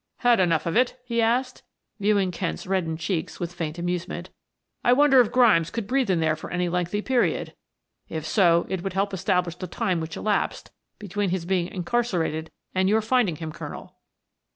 "Had enough of it?" he asked, viewing Kent's reddened cheeks with faint amusement. "I wonder if Grimes could breathe in there for any lengthy period. If so, it would help establish the time which elapsed between his being incarcerated and your finding him, Colonel."